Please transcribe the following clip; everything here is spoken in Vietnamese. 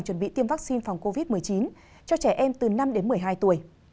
chuẩn bị tiêm vaccine phòng covid một mươi chín cho trẻ em từ năm đến một mươi hai tuổi